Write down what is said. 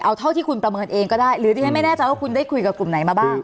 เอาเท่าที่คุณประเมินเองก็ได้หรือที่ฉันไม่แน่ใจว่าคุณได้คุยกับกลุ่มไหนมาบ้าง